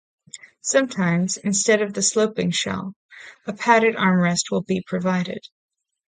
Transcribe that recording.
Sometimes, instead of the sloping shelf, a padded arm rest will be provided.